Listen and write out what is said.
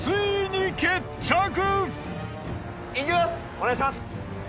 お願いします。